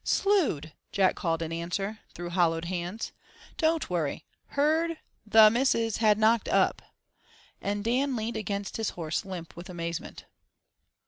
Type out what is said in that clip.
"Slewed!" Jack called in answer, through hollowed hands. "Didn't worry. Heard—the—missus—had—knocked—up," and Dan leaned against his horse, limp with amazement.